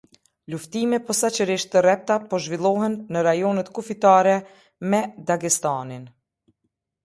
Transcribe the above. Luftime posçërisht të rrepta po zhvillohen në rajonet kufitare me Dagestanin.